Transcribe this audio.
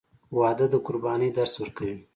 • واده د قربانۍ درس ورکوي.